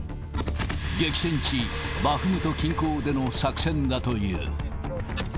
激戦地、バフムト近郊での作戦だという。